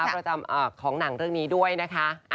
ประจำของหนังเรื่องนี้ด้วยนะคะ